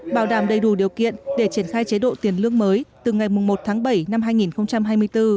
bảo đảm đầy đủ điều kiện để triển khai chế độ tiền lương mới từ ngày một tháng bảy năm hai nghìn hai mươi bốn